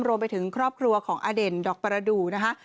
รวมไปถึงครอบครัวของอเด่นดอกประดูกนะคะ